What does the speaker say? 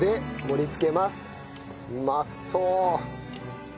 うまそう。